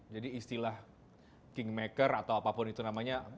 jadi istilah kingmaker atau apapun itu namanya